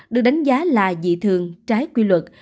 được đánh giá là dị thường trái quy luật